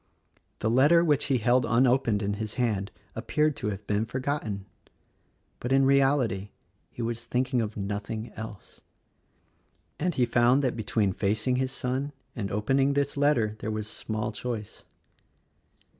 The letter which he held unopened in his hand appeared to have been forgot ten — but, in reality, he was thinking of nothing else — and he found that between facing his son and opening this letter there was small choice.